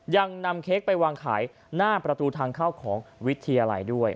ยังนำเค้กไปวางขายหน้าประตูทางเข้าของวิทยาลัยด้วย